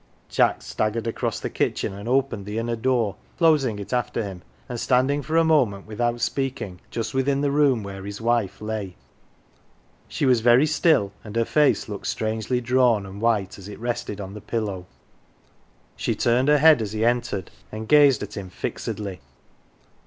Jack staggered across the kitchen and opened the inner door, closing it after him, and standing for a moment, without speaking, just within the room where his wife lay. She was very still, and her face looked strangely drawn and white as it rested on the pillow. She turned her head as he entered, and gazed at him fixedly.